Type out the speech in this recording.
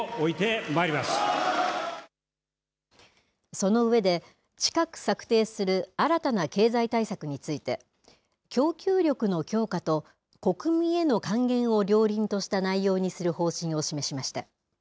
その上で、近く策定する新たな経済対策について、供給力の強化と国民への還元を両輪とした内容にする方針を示しました。